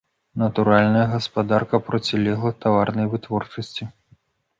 Натуральная гаспадарка процілегла таварнай вытворчасці.